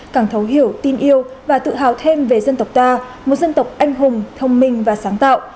càng thấu hiểu tin yêu và tự hào thêm về dân tộc ta một dân tộc anh hùng thông minh và sáng tạo